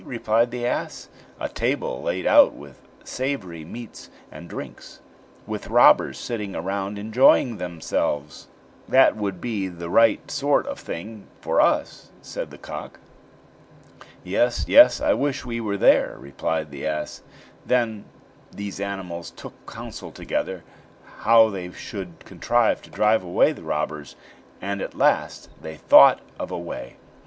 replied the ass; "a table laid out with savory meats and drinks, with robbers sitting around enjoying themselves." "That would be the right sort of thing for us," said the cock. "Yes, yes, I wish we were there," replied the ass. Then these animals took counsel together how they should contrive to drive away the robbers, and at last they thought of a way.